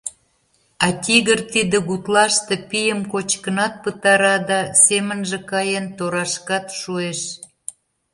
А тигр тиде гутлаште пийым кочкынат пытара да, семынже каен, торашкат шуэш.